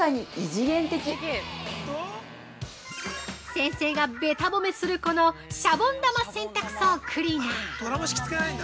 ◆先生がベタぼめするこのシャボン玉洗たく槽クリーナー。